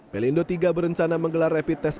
belindo iii berencana menggelar rapid test